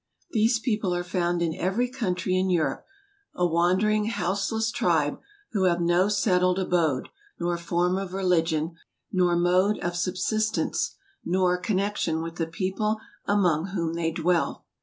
These people are found in every country in Europe; a wandering, houseless tribe, who have no settled abode, nor form of religion, nor mode of subsis¬ tence, nor connexion with the people among whom they dwell.